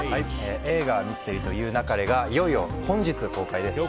映画「ミステリと言う勿れ」がいよいよ本日公開です。